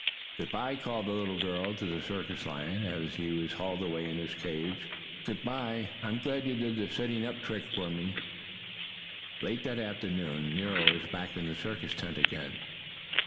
"Good bye!" called the little girl to the circus lion, as he was hauled away in his cage. "Good bye! I'm glad you did the sitting up trick for me!" Late that afternoon Nero was back in the circus tent again.